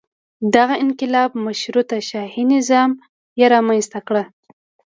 دغه انقلاب مشروطه شاهي نظام یې رامنځته کړ.